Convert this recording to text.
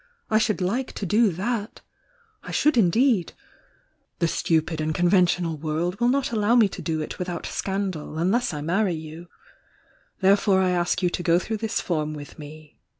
I should like to do that!— I should indeed! The stupid and conventional world will not allow me to do it without scandal, unless I marry you— therefore I ask you to go through this form with me.